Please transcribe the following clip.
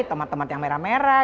tomat tomat yang merah merah